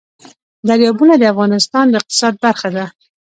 دریابونه د افغانستان د اقتصاد برخه ده.